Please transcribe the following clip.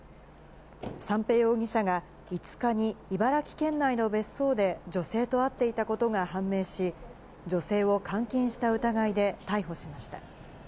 三瓶容疑者が５日に茨城県内の別荘で女性と会っていたことが判明し、女性を監禁した疑いで逮捕しました。